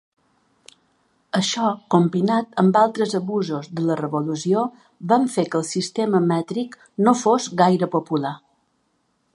Això, combinat amb altres abusos de la Revolució, van fer que el sistema mètric no fos gaire popular.